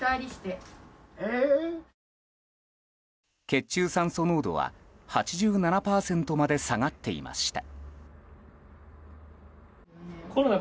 血中酸素濃度は８７％まで下がっていました。